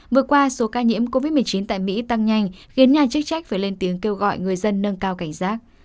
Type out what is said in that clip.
vừa qua số ca nhiễm covid một mươi chín tại mỹ tăng nhanh khiến nhà chức trách phải lên tiếng kêu gọi người dân nâng cao cảnh giác